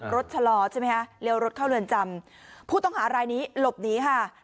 ชะลอใช่ไหมคะเลี้ยวรถเข้าเรือนจำผู้ต้องหารายนี้หลบหนีค่ะ